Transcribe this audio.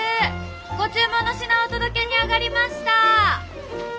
ご注文の品お届けにあがりました。